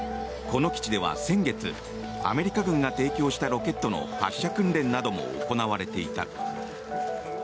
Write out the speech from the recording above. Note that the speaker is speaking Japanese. この基地では先月アメリカ軍が提供したロケットの発射訓練なども行われていた。